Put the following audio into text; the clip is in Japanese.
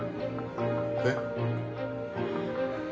えっ？